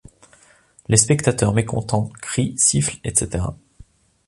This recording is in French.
Les spectateurs mécontents crient, sifflent, etc.